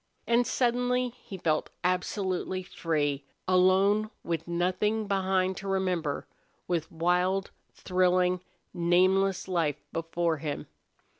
And suddenly he felt absolutely free, alone, with nothing behind to remember, with wild, thrilling, nameless life before him.